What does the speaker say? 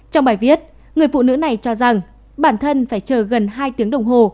trong bài viết người phụ nữ này cho rằng bản thân phải chờ gần hai tiếng đồng hồ